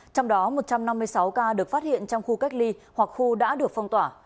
trong đó một trăm năm mươi sáu ca được phát hiện trong khu cách ly hoặc khu đã được phong tỏa